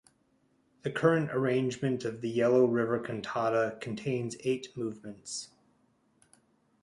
The current arrangement of the "Yellow River Cantata" contains eight movements.